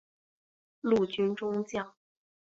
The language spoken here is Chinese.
陆军中将。